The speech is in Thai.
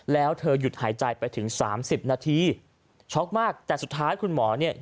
แล้วเธอหยุดหายใจไปถึงสามสิบนาทีช็อกมากแต่สุดท้ายคุณหมอเนี่ย